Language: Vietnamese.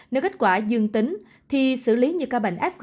nếu kết quả dương tính thì xử lý như ca bệnh f